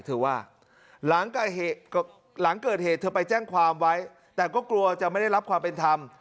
เธอว่าหลังเกิดเหตุเธอไปแจ้งความไว้แต่ก็กลัวจะไม่ได้รับความเป็นธรรม